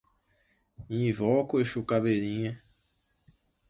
Invoca o exu caveirinha